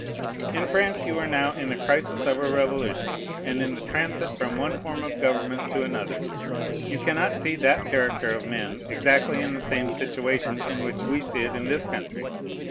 In France you are now in the crisis of a revolution, and in the transit from one form of government to another: you cannot see that character of men exactly in the same situation in which we see it in this country.